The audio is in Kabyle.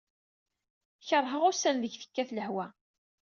Kerheɣ ussan deg tekkat lehwa.